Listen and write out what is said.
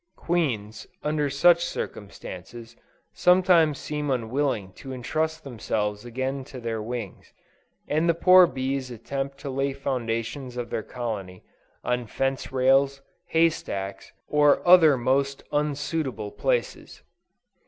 Queens, under such circumstances, sometimes seem unwilling to entrust themselves again to their wings, and the poor bees attempt to lay the foundations of their colony, on fence rails, hay stacks, or other most unsuitable places.